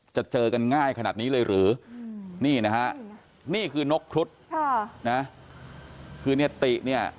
เจอกันง่ายขนาดนี้เลยหรือนี่นะฮะนี่คือนกครุฑค่ะนะคือเนี่ยติเนี่ย